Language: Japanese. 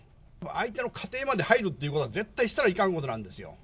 相手の家庭まで入るっていうことは絶対したらあかんことなんですよ。